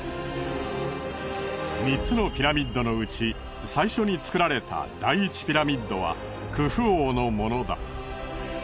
３つのピラミッドのうち最初に造られた第１ピラミッドはクフ王のものだ。